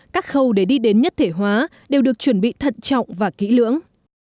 các khâu để đi đến nhất thể hóa đều được chuẩn bị thận trọng và kỹ lưỡng